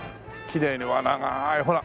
きれいにわあ長いほら。